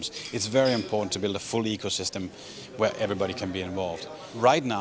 sangat penting untuk membuat ekosistem penuh di mana semua orang bisa bergabung